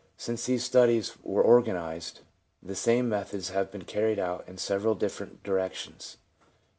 Since these studies were organised, the same methods have been carried out in several dif ferent directions.